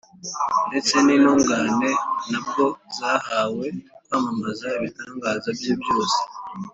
Ndetse n’intungane nta bwo zahawe kwamamaza ibitangaza bye byose,